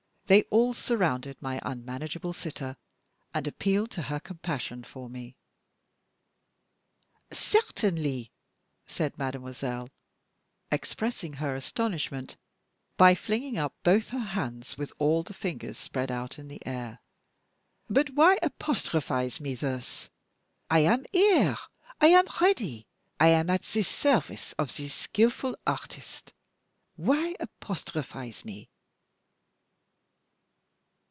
They all surrounded my unmanageable sitter, and appealed to her compassion for me. "Certainly!" said mademoiselle, expressing astonishment by flinging up both her hands with all the fingers spread out in the air. "But why apostrophize me thus? I am here, I am ready, I am at the service of this skillful artist. Why apostrophize me?"